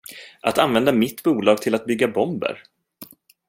Att använda mitt bolag till att bygga bomber?